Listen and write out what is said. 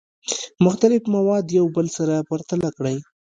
مختلف مواد یو بل سره پرتله کړئ.